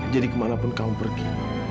jadi kemanapun kamu pergi